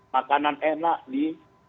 makanan enak di